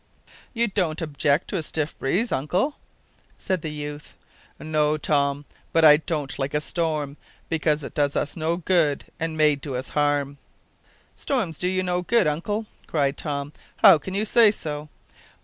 "You don't object to a stiff breeze, uncle?" said the youth. "No, Tom; but I don't like a storm, because it does us no good, and may do us harm." "Storms do you no good, uncle!" cried Tom; "how can you say so?